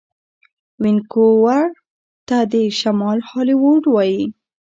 وینکوور ته د شمال هالیوډ وايي.